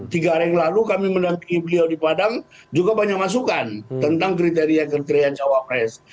tiga hari yang lalu kami menampingi beliau di padang juga banyak masukan tentang kriteria kriteria cawapres